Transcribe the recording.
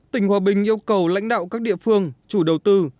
tỉnh hòa bình yêu cầu lãnh đạo các địa phương chủ đầu tư